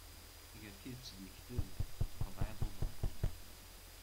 Ger tidet d lekdeb, rebɛa iḍudan.